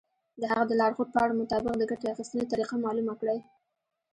د هغه د لارښود پاڼو مطابق د ګټې اخیستنې طریقه معلومه کړئ.